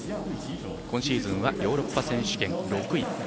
今シーズンはヨーロッパ選手権６位。